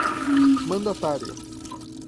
mandatário